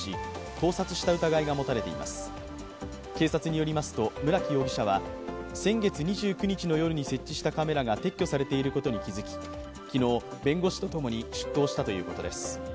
警察によりますと、村木容疑者は先月２９日の夜に設置したカメラが撤去されているのに気づき、昨日、弁護士とともに出頭したということです。